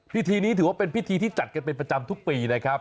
พิธีนี้ถือว่าเป็นพิธีที่จัดกันเป็นประจำทุกปีนะครับ